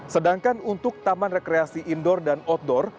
sedangkan untuk taman rekreasi indoor dan outdoor